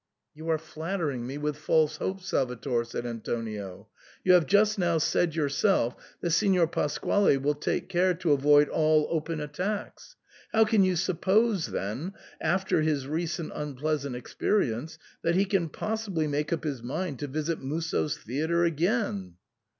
You are flattering me with false hopes, Salvator," said Antonio. " You have just now said yourself that Signor Pasquale will take care to avoid all open attacks. How can you suppose then, after his recent unpleasant experience, that he can possibly make up his mind to visit Musso's theatre again ?" I30 SIGNOR FORMICA.